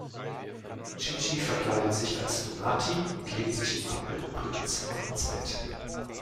Schicchi verkleidet sich als Donati und legt sich im abgedunkelten Zimmer ins Bett.